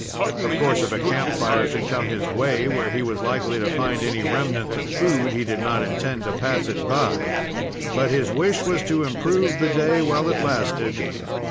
Of course, if a camp fire should come in his way, where he was likely to find any remnants of food, he did not intend to pass it by; but his wish was to improve the day while it lasted.